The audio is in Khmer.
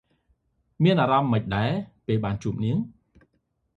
មានអារម្មណ៍ម៉េចដែរ ពេលជួបនាង?